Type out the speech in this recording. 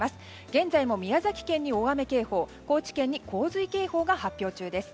現在も宮崎県に大雨警報高知県に洪水警報が発表中です。